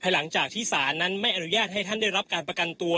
หลังจากที่ศาลนั้นไม่อนุญาตให้ท่านได้รับการประกันตัว